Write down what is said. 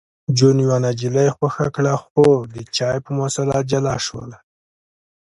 جون یوه نجلۍ خوښه کړه خو د چای په مسله جلا شول